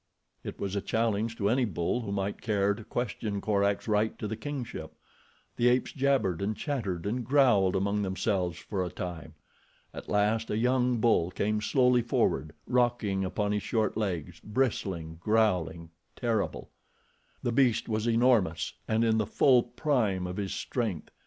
It was a challenge to any bull who might care to question Korak's right to the kingship. The apes jabbered and chattered and growled among themselves for a time. At last a young bull came slowly forward rocking upon his short legs, bristling, growling, terrible. The beast was enormous, and in the full prime of his strength.